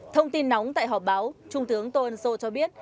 thông tin nóng tại họp báo trung tướng tô ân sô cho biết